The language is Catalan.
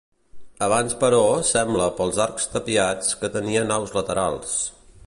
Abans però sembla pels arcs tapiats que tenia naus laterals.